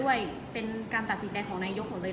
ออกให้เองมาร่วมหาหน้ามีกร่องการอย่างนี้